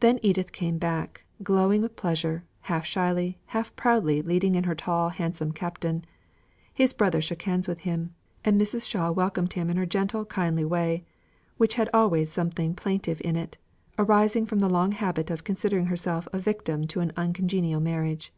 Then Edith came back, glowing with pleasure, half shyly, half proudly leading in her tall handsome Captain. His brother shook hands with him, and Mrs. Shaw welcomed him in her gentle kindly way, which had always something plaintive in it, arising from the long habit of considering herself a victim to an uncongenial marriage.